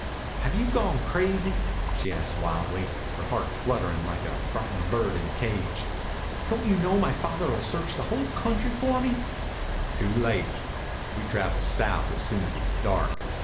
"Have you gone crazy?" she asked wildly, her heart fluttering like a frightened bird in a cage. "Don't you know my father will search the whole country for me?" "Too late. We travel south soon as it's dark."